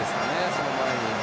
その前に。